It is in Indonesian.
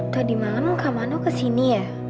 tadi malam kak mano ke sini ya